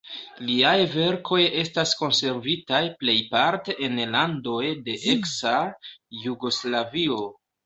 Liaj verkoj estas konservitaj plejparte en landoj de eksa Jugoslavio.